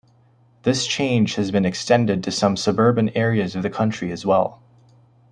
This change has been extended to some suburban areas of the country as well.